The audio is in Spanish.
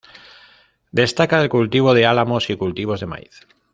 Destaca el cultivo de álamos y cultivos de maíz.